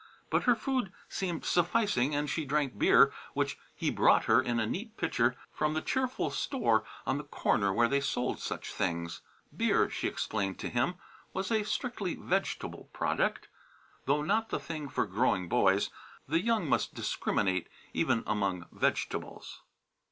But her food seemed sufficing and she drank beer which he brought her in a neat pitcher from the cheerful store on the corner where they sold such things. Beer, she explained to him, was a strictly vegetable product, though not the thing for growing boys. The young must discriminate, even among vegetables.